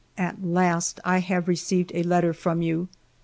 "At last I have received a letter from you.